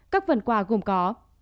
các phần quà gồm có